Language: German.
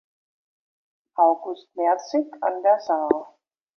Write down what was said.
August Merzig an der Saar.